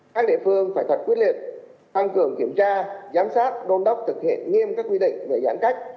các địa phương phải thật quyết liệt tăng cường kiểm tra giám sát đôn đốc thực hiện nghiêm các quy định về giãn cách